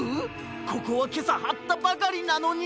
ここはけさはったばかりなのに！